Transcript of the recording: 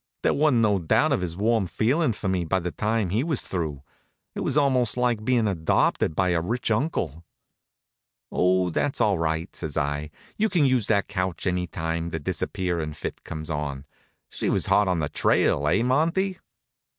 There wa'n't no doubt of his warm feelin' for me by the time he was through. It was almost like bein' adopted by a rich uncle. "Oh, that's all right," says I. "You can use that couch any time the disappearin' fit comes on. She was hot on the trail; eh, Monty?"